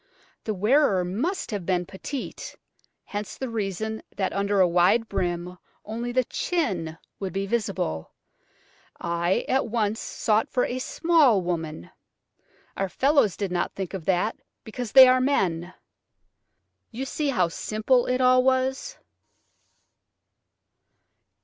The wearer must have been petite, hence the reason that under a wide brim only the chin would be visible. I at once sought for a small woman. Our fellows did not think of that, because they are men." You see how simple it all was!